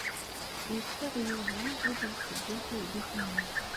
Yeffeɣ Yuba ad yesseddu taydit-nnes.